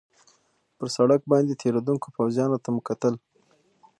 پر سړک باندې تېرېدونکو پوځیانو ته مو کتل.